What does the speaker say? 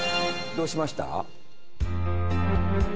どうしました？